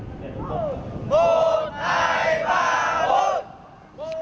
một hai ba bốn